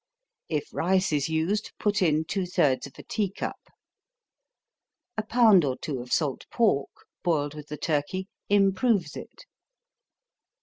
If rice is used, put in two thirds of a tea cup. A pound or two of salt pork, boiled with the turkey, improves it.